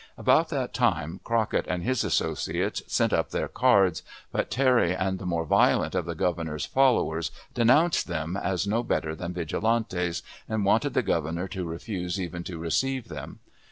About that time Crockett and his associates sent up their cards, but Terry and the more violent of the Governor's followers denounced them as no better than "Vigilantes," and wanted the Governor to refuse even to receive them.